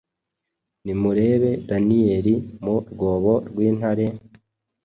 Nimurebe Daniyeli mu rwobo rw’intare,